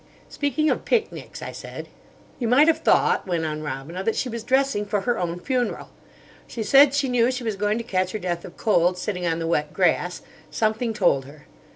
"Speaking of picnics," I said. "You might have thought," went on Robina, "that she was dressing for her own funeral. She said she knew she was going to catch her death of cold, sitting on the wet grass. Something told her.